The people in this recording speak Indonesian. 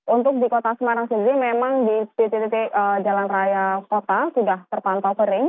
untuk di kota semarang sendiri memang di titik titik jalan raya kota sudah terpantau kering